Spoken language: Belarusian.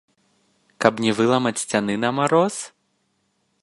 Каб не выламаць сцяны на мароз?